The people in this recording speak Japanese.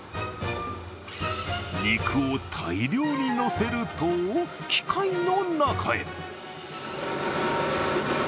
肉を大量にのせると機械の中へ。